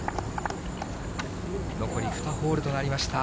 残り２ホールとなりました、